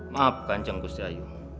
maaf kanjeng bustiayu